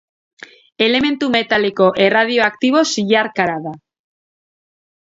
Elementu metaliko erradioaktibo zilarkara da.